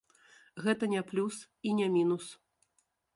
Гэта не плюс і не мінус.